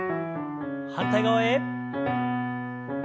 反対側へ。